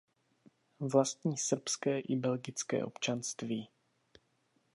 Vlastní srbské i belgické občanství.